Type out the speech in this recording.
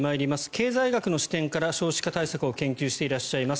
経済学の視点から少子化対策を研究していらっしゃいます